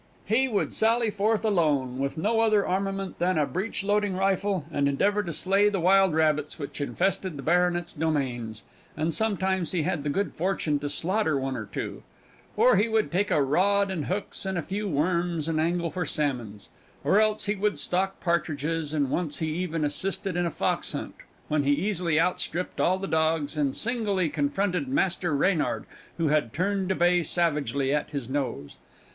He would sally forth alone, with no other armament than a breechloading rifle, and endeavour to slay the wild rabbits which infested the Baronet's domains, and sometimes he had the good fortune to slaughter one or two. Or he would take a Rod and hooks and a few worms, and angle for salmons; or else he would stalk partridges, and once he even assisted in a foxhunt, when he easily outstripped all the dogs and singly confronted Master Reynard, who had turned to bay savagely at his nose.